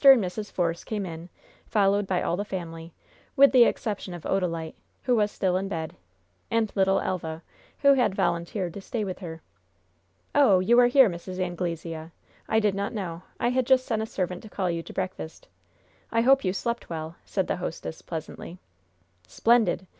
and Mrs. Force came in, followed by all the family, with the exception of Odalite, who was still in bed, and little Elva, who had volunteered to stay with her. "Oh, you are here, Mrs. Anglesea? I did not know. I had just sent a servant to call you to breakfast. I hope you slept well?" said the hostess, pleasantly. "Splendid!